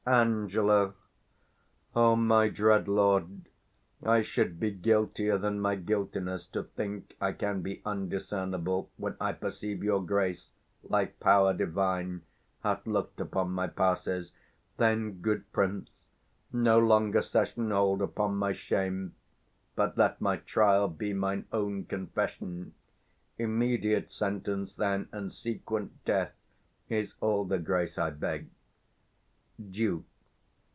Ang. O my dread lord, I should be guiltier than my guiltiness, 365 To think I can be undiscernible, When I perceive your Grace, like power divine, Hath look'd upon my passes. Then, good prince, No longer session hold upon my shame, But let my trial be mine own confession: 370 Immediate sentence then, and sequent death, Is all the grace I beg. _Duke.